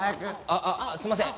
あっあっすいません。